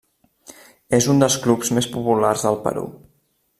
És un dels clubs més populars del Perú.